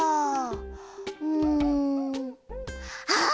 うんあっ！